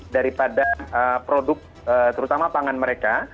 daripada produk terutama pangan mereka